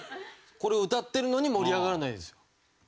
これを歌ってるのに盛り上がらないんですよ。